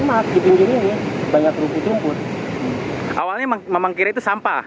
ada bau apa apa gitu